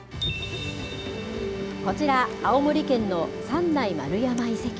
こちら、青森県の三内丸山遺跡。